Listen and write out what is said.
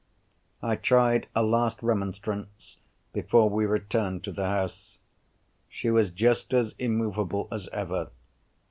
I tried a last remonstrance before we returned to the house. She was just as immovable as ever.